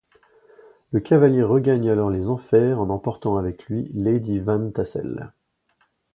Le cavalier regagne alors les enfers en emportant avec lui Lady Van Tassel.